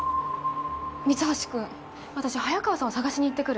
三橋君、私、早川さんを捜しに行ってくる。